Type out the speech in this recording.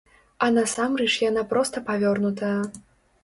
А насамрэч яна проста павернутая.